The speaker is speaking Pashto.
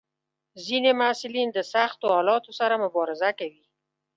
ځینې محصلین د سختو حالاتو سره مبارزه کوي.